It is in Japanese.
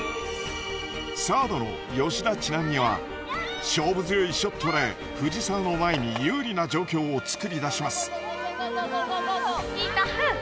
サードの吉田知那美は勝負強いショットで藤澤の前に有利な状況を作り出します。